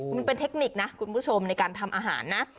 มันเป็นเทคนิคนะคุณผู้ชมในการทำอาหารนะ